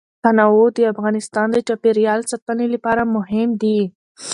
تنوع د افغانستان د چاپیریال ساتنې لپاره مهم دي.